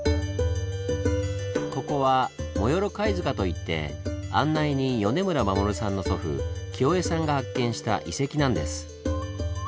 ここは「モヨロ貝塚」といって案内人米村衛さんの祖父喜男衛さんが発見した遺跡なんです。